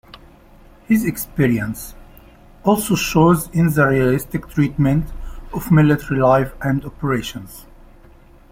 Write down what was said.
His experience also shows in the realistic treatment of military life and operations.